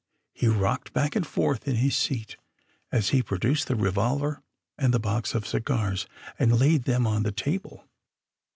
He rocked back and forth in his seat as he prodnced the revolver and the box of cigars and laid them on the table.